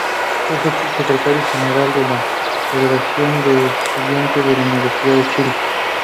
Fue secretario general de la Federación de Estudiantes de la Universidad de Chile.